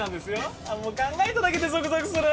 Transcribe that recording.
ああもう考えただけでゾクゾクする！